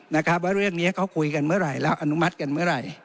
นะครับว่าเรื่องนี้เขาคุยกันเมื่อไหร่แล้วอนุมัติกันเมื่อไหร่